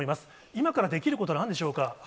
今からできることはなんでしょうか？